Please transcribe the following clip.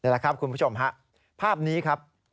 เดี๋ยวล่ะครับคุณผู้ชมภาพนี้ครับ